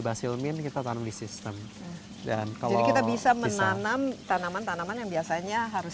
basil min kita tanam di sistem dan jadi kita bisa menanam tanaman tanaman yang biasanya harus